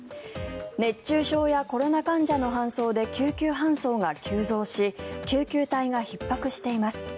熱中症やコロナ患者の搬送で救急搬送が急増し救急隊がひっ迫しています。